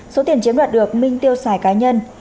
số tiền chiếm đoạt được minh tiêu xài cá nhân